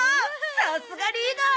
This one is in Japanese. さすがリーダー！